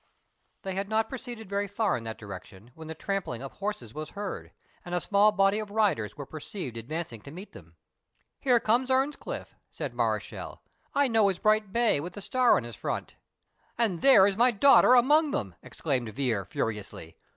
They had not proceeded very far in that direction when the trampling of horses was heard, and a small body of riders were perceived advancing to meet them. "There comes Earnscliff," said Mareschal; "I know his bright bay with the star in his front." "And there is my daughter along with him," exclaimed Vere, furiously.